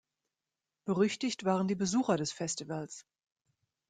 Berüchtigt waren die Besucher des Festivals.